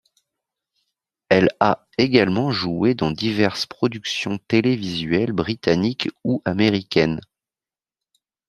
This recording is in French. Elle a également joué dans diverses productions télévisuelles britanniques ou américaines.